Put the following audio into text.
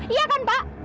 iya kan pak